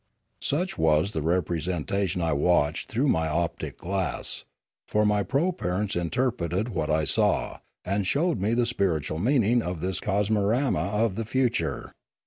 Such was the representation I watched through my optic glass; for my propareuts interpreted what I Their Heaven and Their Hell 237 saw, and showed me the spiritual meaning of this cos morama of the future.